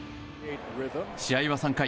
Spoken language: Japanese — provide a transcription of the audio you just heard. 試合は３回。